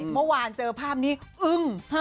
เมื่อวานเจอภาพนี้อึ้ง